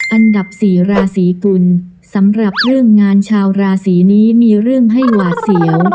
อันดับสี่ราศีกุลสำหรับเรื่องงานชาวราศีนี้มีเรื่องให้หวาดเสียว